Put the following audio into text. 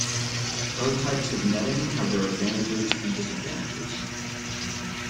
Both types of netting have their advantages and disadvantages.